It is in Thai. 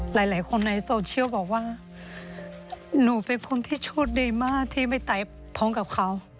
หลายคนในโซเชียลบอกว่าหนูเป็นคนที่โชคดีมากที่ไม่ตายพร้อมกับเขา